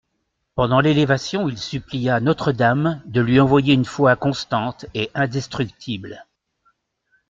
Pendant l'élévation il supplia Notre-Dame de lui envoyer une foi constante et indestructible.